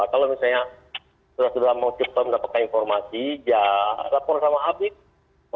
kalau misalnya sudah sudah mau cepat mendapatkan informasi ya lapor sama habib